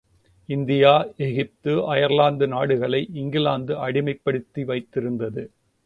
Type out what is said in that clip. India, Egypt, Ireland நாடுகளை England அடிமைப்படுத்தி வைத்திருந்தது.